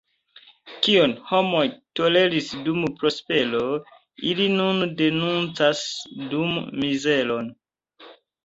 Kion homoj toleris dum prospero, ili nun denuncas dum mizero.